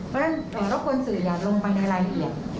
เพราะฉะนั้นรบกวนสื่ออย่าลงไปในรายละเอียด